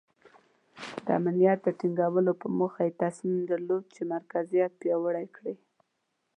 د امنیت د ټینګولو په موخه یې تصمیم درلود چې مرکزیت پیاوړی کړي.